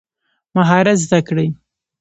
مهارت زده کړئ